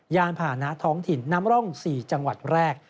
ยานผ่านะท้องถิ่นน้ำร่อง๔จังหวัดแรก